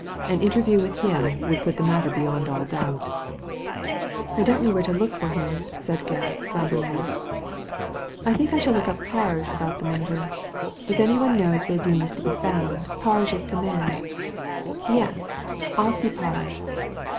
An interview with him would put the matter beyond all doubt" " I don't know where to look for him/' said Gebb, grumbling. I think I shall look up Parge about the matter. If any one knows where Dean is to be found, Parge is the man. Yes, I'll see Parge."